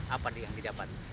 apa yang didapat